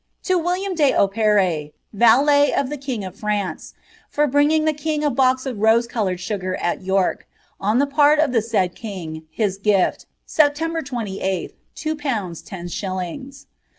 To William de Opere, valet of the king of France, for bringing dw king a box of rose coloured sugar at York, on the part of the nkl king, his gift, September 28th, two pounds ten shillings.